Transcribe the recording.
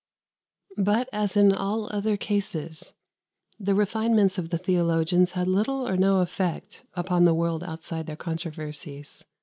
] 61. But, as in all other cases, the refinements of the theologians had little or no effect upon the world outside their controversies.